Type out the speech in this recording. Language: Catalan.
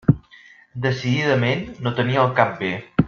Decididament no tenia el cap bé.